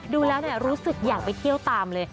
ดูแล้วรู้สึกอยากไปเที่ยวตามเลย